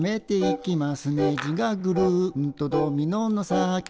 「ねじがぐるんとドミノの先に」